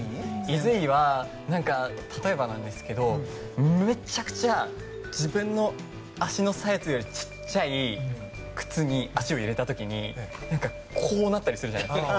いずいは、例えばですけどめちゃくちゃ自分の足のサイズより小さい靴に足を入れた時にこうなったりするじゃないですか。